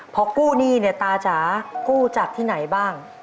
พอกู้หนี้เนี่ยตาจ๋ากู้จากที่ไหนบ้าง